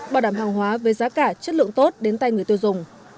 bảo đảm hàng hóa với giá cả chất lượng tốt đến tay người tiêu dùng